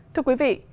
thưa quý vị